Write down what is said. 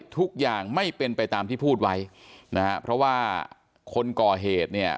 ทุกอย่างไม่เป็นไปตามที่พูดไว้นะฮะเพราะว่าคนก่อเหตุเนี่ย